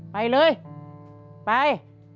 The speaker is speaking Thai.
ไปเลยไป